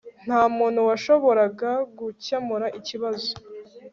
Ntamuntu washoboraga gukemura ikibazo